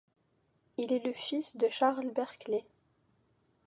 Il est le fils de Charles Berkeley.